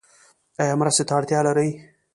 ایا مرستې ته اړتیا لرئ؟